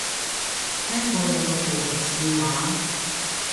聽過有個地獄笑話